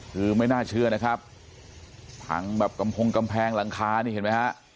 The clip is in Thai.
คือไม่น่าเชื่อนะครับพังแบบกำพงกำแพงหลังคานี่เห็นไหมฮะ